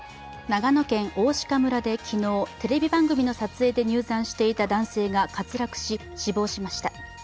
長野県大鹿村で昨日、テレビ番組の撮影で入山していた男性が滑落し、死亡しました。